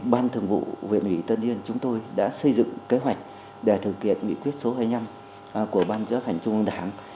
ban thường vụ huyện ủy tân yên chúng tôi đã xây dựng kế hoạch để thực hiện nghị quyết số hai mươi năm của ban chấp hành trung ương đảng